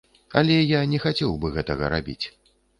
Але я не хацеў бы гэтага рабіць.